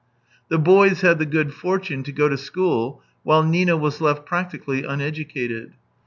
The boys had the good fortune to go to school, while Nina was left practically uneducated.